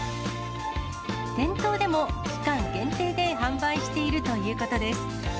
店頭でも期間限定で販売しているということです。